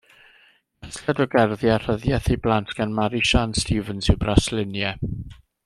Casgliad o gerddi a rhyddiaith i blant gan Mari Siân Stevens yw Brasluniau.